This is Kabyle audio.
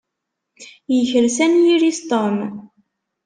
Yekres anyir-is Tom.